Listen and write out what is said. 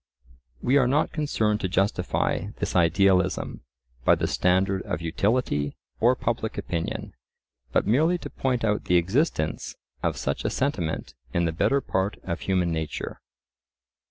We are not concerned to justify this idealism by the standard of utility or public opinion, but merely to point out the existence of such a sentiment in the better part of human nature.